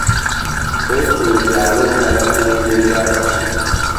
Pulezidenti alonda abakulembeze abato.